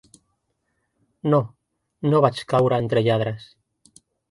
No, no vaig caure entre lladres.